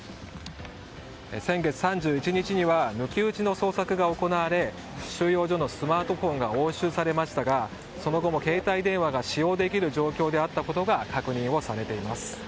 先月３１日には抜き打ちの捜索が行われ収容所のスマートフォンが押収されましたがその後も携帯電話が使用できる状況であったことが確認されています。